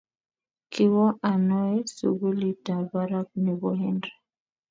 Kiwo Anao sukulitap barak nebo Henry